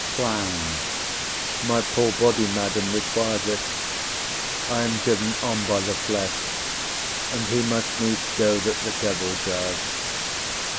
CLOWN. My poor body, madam, requires it; I am driven on by the flesh, and he must needs go that the devil drives.